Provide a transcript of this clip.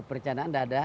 perencanaan tidak ada